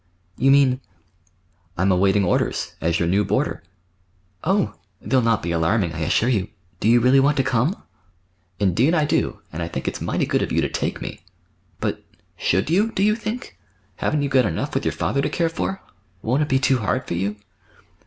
"You mean—" "I'm awaiting orders—as your new boarder." "Oh! They'll not be alarming, I assure you. Do you really want to come?" "Indeed I do! And I think it's mighty good of you to take me. But—should you, do you think? Haven't you got enough, with your father to care for? Won't it be too hard for you?"